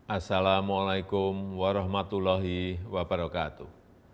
assalamu'alaikum warahmatullahi wabarakatuh